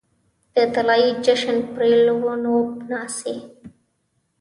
د طلايې جشن پرپلونو ناڅي